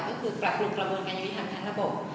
ก็คือปรับปรุงกระบวนการยุติธรรมทั้งระบบ